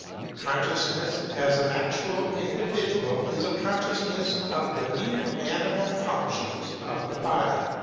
Consciousness of an actual individual is a con sciousness of the mere animal functions of the body.